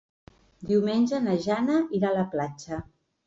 Diumenge na Jana irà a la platja.